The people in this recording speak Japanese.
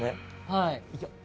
はい。